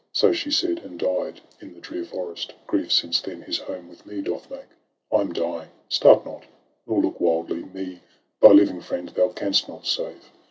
So she said, and died in the drear forest — Grief since then his home with me doth make. I am dying. — Start not, nor look wildly! Me, thy living friend, thou canst not save.